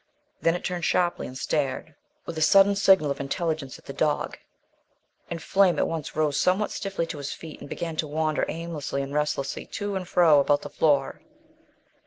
Then it turned sharply and stared with a sudden signal of intelligence at the dog, and Flame at once rose somewhat stiffly to his feet and began to wander aimlessly and restlessly to and fro about the floor.